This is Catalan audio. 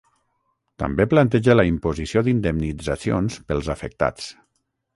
També planteja la imposició d’indemnitzacions pels afectats.